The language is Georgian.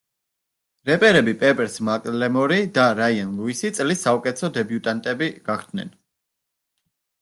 რეპერები პეპერს მაკლემორი და რაიან ლუისი წლის საუკეთესო დებიუტანტები გახდნენ.